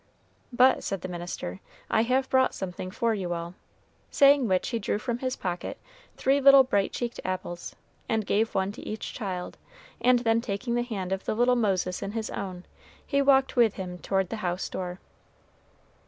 "But," said the minister, "I have brought something for you all;" saying which he drew from his pocket three little bright cheeked apples, and gave one to each child; and then taking the hand of the little Moses in his own, he walked with him toward the house door.